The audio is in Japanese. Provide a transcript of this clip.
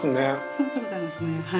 そうでございますね。